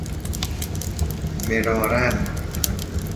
مراراً